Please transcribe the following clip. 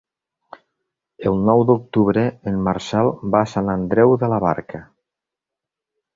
El nou d'octubre en Marcel va a Sant Andreu de la Barca.